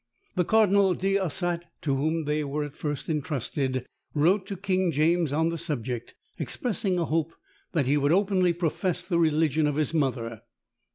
The Cardinal D'Ossat, to whom they were at first entrusted, wrote to King James on the subject, expressing a hope that he would openly profess the religion of his mother.